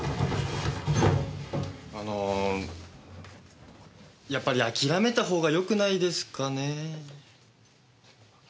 あのやっぱりあきらめた方がよくないですかねぇ？